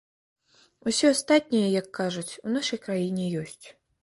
Усё астатняе, як кажуць, у нашай краіне ёсць.